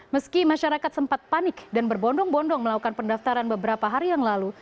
meski masyarakat sempat panik dan berbondong bondong melakukan pendaftaran beberapa hari yang lalu